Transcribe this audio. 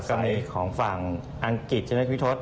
ไกลของฝั่งอังกฤษใช่ไหมพี่ทศ